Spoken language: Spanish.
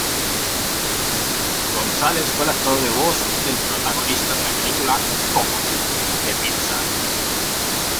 Gonzalez fue el actor de voz del protagonista de la película "Coco", de Pixar.